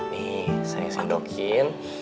nih saya sendokin